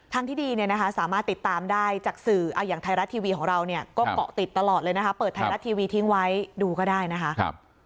ทางที่ดีเนี่ยนะคะสามารถติดตามได้จากสื่ออย่างไทยรัสทีวีของเราเนี่ยก็เกาะติดตลอดเลยนะฮะ